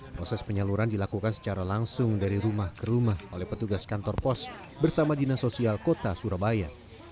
proses penyaluran dilakukan secara langsung dari rumah ke rumah oleh petugas kantor pos bersama dinas sosial kota surabaya